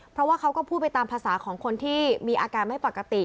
เพราะว่าเขาก็พูดไปตามภาษาของคนที่มีอาการไม่ปกติ